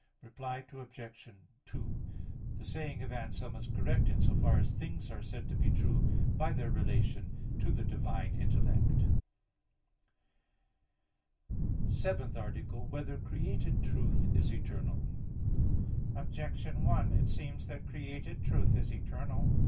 Reply Obj. 2: The saying of Anselm is correct in so far as things are said to be true by their relation to the divine intellect. _______________________ SEVENTH ARTICLE [I, Q. 16, Art. 7] Whether Created Truth Is Eternal? Objection 1: It seems that created truth is eternal.